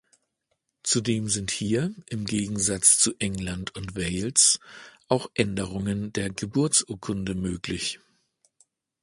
Zudem sind hier, im Gegensatz zu England und Wales, auch Änderungen der Geburtsurkunde möglich.